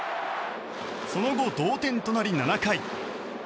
その後、同点となり７回。